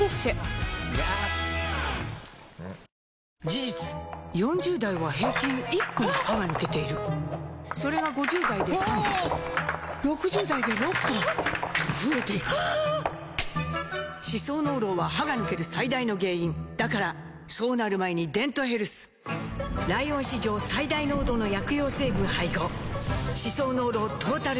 事実４０代は平均１本歯が抜けているそれが５０代で３本６０代で６本と増えていく歯槽膿漏は歯が抜ける最大の原因だからそうなる前に「デントヘルス」ライオン史上最大濃度の薬用成分配合歯槽膿漏トータルケア！